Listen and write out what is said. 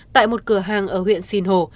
tại một cửa hàng ở huyện sìn hồ